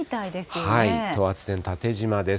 等圧線、縦じまです。